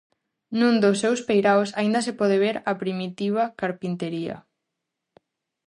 Nun dos seus peiraos aínda se pode ver a primitiva carpintería.